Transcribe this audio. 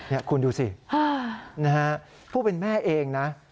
นี่คุณดูสินะฮะผู้เป็นแม่เองนะ